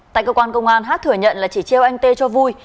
tại cơ quan công an h thừa nhận là chỉ treo anh t cho vui